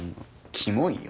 キモいよ。